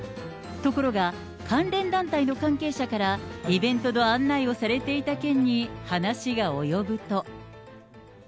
ところが、関連団体の関係者からイベントの案内をされていた件に話が及ぶと。